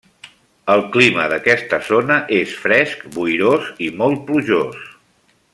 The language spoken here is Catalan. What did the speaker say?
El clima d'aquesta zona és fresc, boirós i molt plujós.